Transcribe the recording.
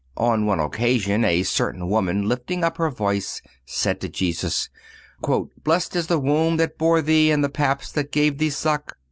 On one occasion a certain woman, lifting up her voice, said to Jesus: "Blessed is the womb that bore thee and the paps that gave thee suck."